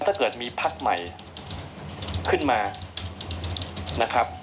ถ้าเกิดมีพักใหม่ขึ้นมานะครับ